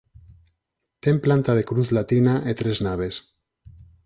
Ten planta de cruz latina e tres naves.